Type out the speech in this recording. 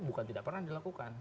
bukan tidak pernah dilakukan